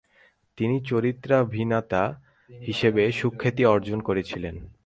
তিনি চরিত্রাভিনেতা হিসেব সুখ্যাতি অর্জন করেছিলেন।